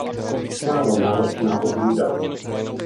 Málo náročná odrůda.